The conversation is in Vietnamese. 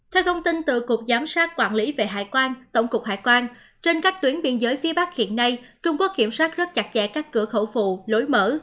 theo thông tin từ cục giám sát quản lý về hải quan tổng cục hải quan trên các tuyến biên giới phía bắc hiện nay trung quốc kiểm soát rất chặt chẽ các cửa khẩu phụ lối mở